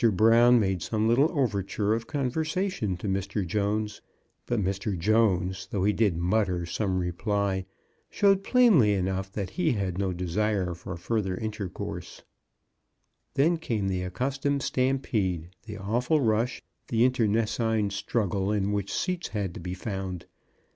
Brown made some little overture of conversa tion to Mr. Jones, but Mr. Jones, though he did mutter some reply, showed plainly enough that he had no desire for further intercourse. Then came the accustomed stampede, the awful rush, the internecine struggle in which seats had to be found.